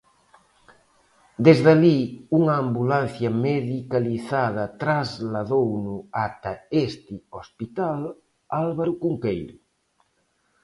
Desde alí, unha ambulancia medicalizada trasladouno ata este hospital Álvaro Cunqueiro.